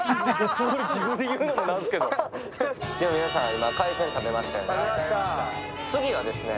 皆さん、海鮮、今食べましたよね。